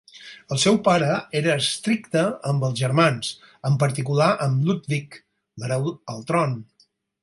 El seu pare era estricte amb els germans, en particular amb Ludwig, l'hereu al tron.